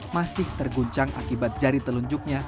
masih terguncang akibat jari telunjuknya